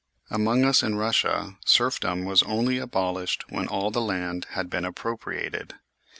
Among us in Kussia serfdom was only abolished when all the land had been appropriated.